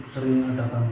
sering ada tamu